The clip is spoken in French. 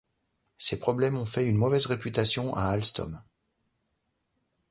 Ces problèmes ont fait une mauvaise réputation à Alstom.